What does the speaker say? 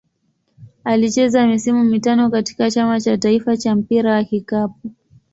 Alicheza misimu mitano katika Chama cha taifa cha mpira wa kikapu.